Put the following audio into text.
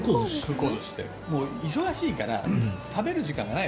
忙しいから食べる時間がない。